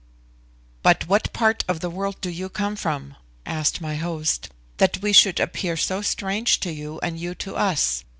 "But what part of the world do you come from?" asked my host, "that we should appear so strange to you and you to us?